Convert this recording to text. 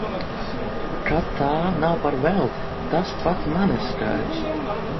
Ka tā nav par velti – tas pat man ir skaidrs.